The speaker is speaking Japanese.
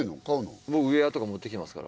僕ウエアとか持ってきてますから。